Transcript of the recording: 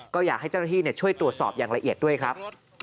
ก็อยากให้เจ้าหน้าที่ช่วยตรวจสอบอย่างละเอียดด้วยครับ